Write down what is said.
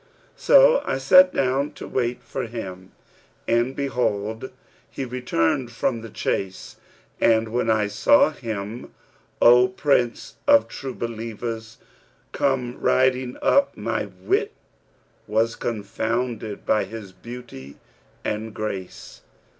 So I sat down to wait for him; and behold, he returned from the chase; and when I saw him, O Prince of True Believers, come riding up, my wit was confounded by his beauty and grace.